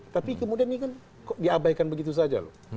tapi kemudian ini kan kok diabaikan begitu saja loh